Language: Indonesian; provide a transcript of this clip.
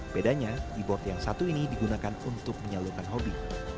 bedanya e board yang satu ini digunakan untuk menyalurkan hobi